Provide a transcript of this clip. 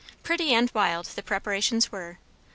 Pretty and wild the preparations were.